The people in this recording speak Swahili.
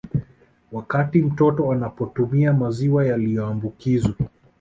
Wakati mtoto anapotumia maziwa yaliambukizwa